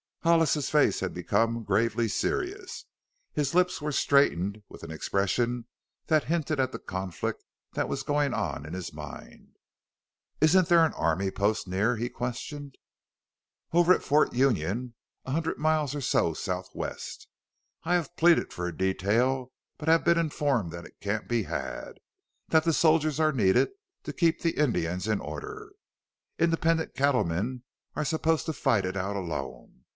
Hollis's face had become gravely serious; his lips were straightened with an expression that hinted at the conflict that was going on in his mind. "Isn't there an army post near?" he questioned. "Over at Fort Union a hundred miles or so southwest. I have pleaded for a detail, but have been informed that it can't be had; that the soldiers are needed to keep the Indians in order. Independent cattlemen are supposed to fight it out alone.